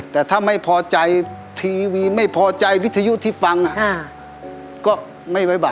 แต่ถ้าไม่พอใจทีวีไม่พอใจวิทยุที่ฟังก็ไม่ไว้บั